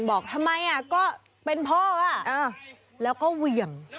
บอกทำไมก็เป็นพ่อแล้วก็เหวี่ยง